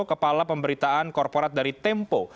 kepala pemberitaan korporat dari tempo